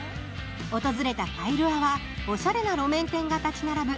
訪れたカイルアは、おしゃれな路面店が立ち並ぶ